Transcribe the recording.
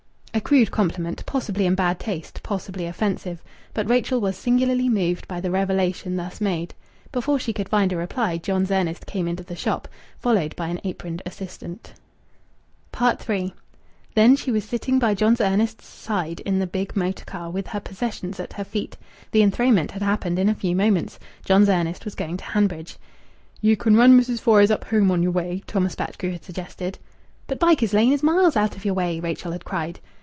A crude compliment, possibly in bad taste, possibly offensive; but Rachel was singularly moved by the revelation thus made. Before she could find a reply John's Ernest came into the shop, followed by an aproned assistant. III Then she was sitting by John's Ernest's side in the big motor car, with her possessions at her feet. The enthronement had happened in a few moments. John's Ernest was going to Hanbridge. "Ye can run Mrs. Fores up home on yer way," Thomas Batchgrew had suggested. "But Bycars Lane is miles out of your way!" Rachel had cried.